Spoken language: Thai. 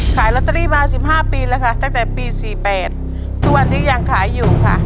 ขายรอเตอรี่มาสิบห้าปีแล้วค่ะตั้งแต่ปีสี่แปดทุกวันนี้ยังขายอยู่ค่ะ